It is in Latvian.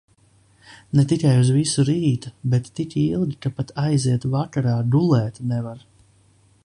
Ne tikai uz visu rītu, bet tik ilgi, ka pat aiziet vakarā gulēt nevar.